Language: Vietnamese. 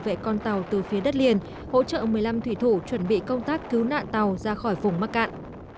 vệ con tàu từ phía đất liền hỗ trợ một mươi năm thủy thủ chuẩn bị công tác cứu nạn tàu ra khỏi vùng mắc cạn